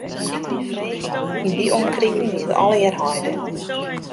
Yn dy omkriten wie it allegear heide.